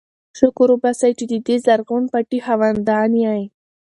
شکر وباسئ چې د دې زرغون پټي خاوندان یئ.